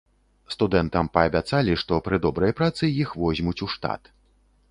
Студэнтам паабяцалі, што пры добрай працы іх возьмуць у штат.